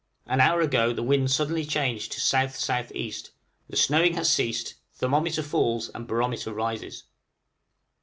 An hour ago the wind suddenly changed to S.S.E.; the snowing has ceased; thermometer falls and barometer rises.